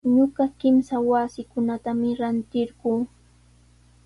Ñuqa kimsa wasikunatami rantirquu.